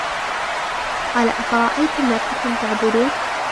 قال أفرأيتم ما كنتم تعبدون